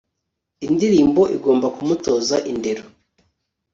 Indirimbo igomba kumutoza indero